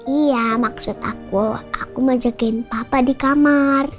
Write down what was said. iya maksud aku aku mau jagain papa di kamar